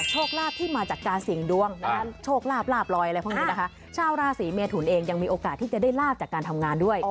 โชคลาภที่มาจากการเสี่ยงดวงนะคะโชคลาบลาบลอยอะไรพวกนี้นะคะชาวราศีเมทุนเองยังมีโอกาสที่จะได้ลาบจากการทำงานด้วย